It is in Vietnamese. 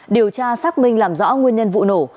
điều tra xác minh làm rõ nguyên nhân vụ nổ